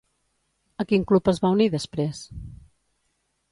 A quin club es va unir després?